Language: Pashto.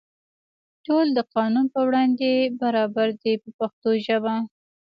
ټول د قانون په وړاندې برابر دي په پښتو ژبه.